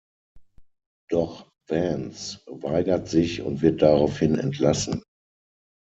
Doch Vance weigert sich und wird daraufhin entlassen.